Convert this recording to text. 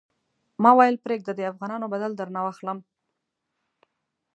ما ویل پرېږده د افغانانو بدل درنه واخلم.